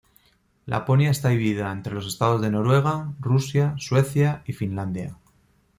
Laponia está dividida entre los Estados de Noruega, Rusia, Suecia y Finlandia.